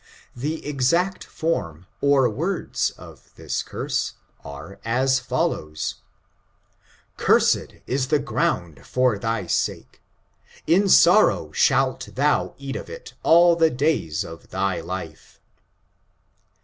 The exact form or words of this curse are as follows: *^Oursed is the ground for thy sake, in sorrow shaU thou eat of ii all the days of thy life?